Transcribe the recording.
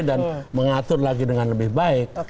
dan mengatur lagi dengan lebih baik